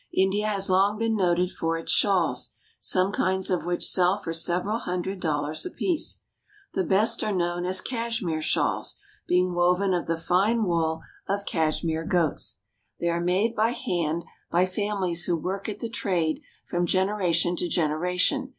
India has long been noted for its shawls, some kinds of which sell for several hundred dollars apiece. The best are known as cashmere shawls, being woven of A Shawl Merchant. the fine wool of Cashmere goats. They are made by hand, by families who work at the trade from generation to gen eration.